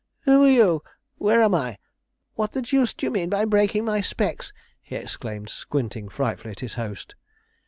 'Who are you? where am I? what the deuce do you mean by breaking my specs?' he exclaimed, squinting frightfully at his host.